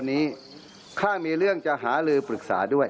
นี่อาเอก